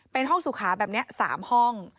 เป็นห้องสุขาแบบนี้๓ห้อง